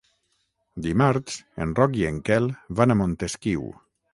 Dimarts en Roc i en Quel van a Montesquiu.